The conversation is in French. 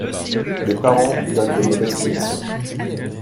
Des parents donnent de mauvaises punitions.